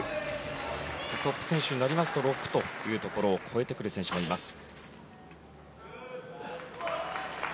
トップ選手になりますと６というところを超えてくる選手もいます。